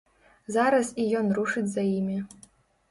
Зараз і ён рушыць за імі.